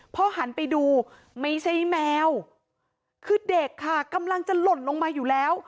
พอหันไปดูไม่ใช่แมวคือเด็กค่ะกำลังจะหล่นลงมาอยู่แล้ว